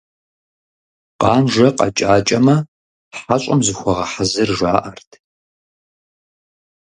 Къанжэ къэкӀакӀэмэ, хьэщӀэм зыхуэгъэхьэзыр, жаӀэрт.